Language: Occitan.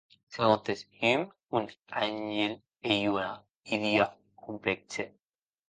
Segontes Hume, un àngel ei ua idia complèxa.